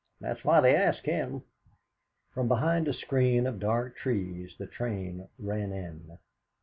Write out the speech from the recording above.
That's why they ask him!" From behind a screen of dark trees the train ran in.